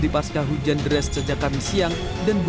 pasti kemudian seseorang saja nyicat samaimu